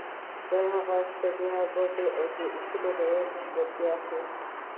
د هغه ستړیا، منډې او د اصولو رعایت ژمنتیا ښيي.